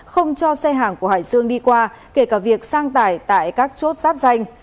không cho xe hàng của hải dương đi qua kể cả việc sang tải tại các chốt giáp danh